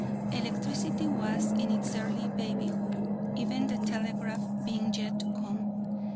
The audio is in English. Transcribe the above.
Electricity was in its early babyhood, even the telegraph being yet to come.